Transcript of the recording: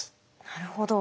なるほど。